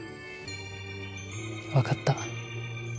わかった。